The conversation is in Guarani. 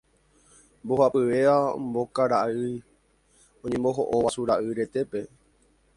Mbohapyvéva mbokara'ỹi oñemboho'o guasu ra'y retére.